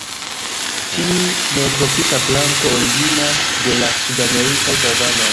Tiu neotropisa planto originas de la sudamerikaj savanoj.